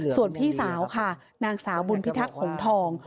ส่วนพี่สาวค่ะนางสาวบุญพิทักษ์หงทอง